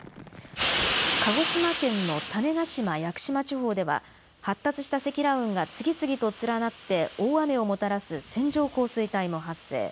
鹿児島県の種子島・屋久島地方では発達した積乱雲が次々と連なって大雨をもたらす線状降水帯も発生。